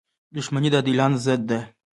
• دښمني د عادلانو ضد ده.